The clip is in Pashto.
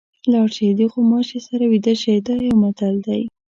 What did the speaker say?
لاړ شئ د غوماشي سره ویده شئ دا یو متل دی.